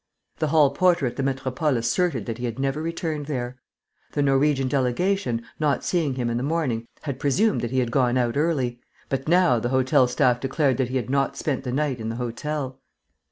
The hall porter at the Metropole asserted that he had never returned there. The Norwegian delegation, not seeing him in the morning, had presumed that he had gone out early; but now the hotel staff declared that he had not spent the night in the hotel.